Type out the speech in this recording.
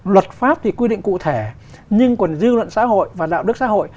luật pháp thì quy định cụ thể nhưng còn dư luận xã hội và đạo đức xã hội